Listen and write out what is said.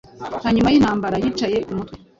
Hanyuma yintambara yicaye kumutwe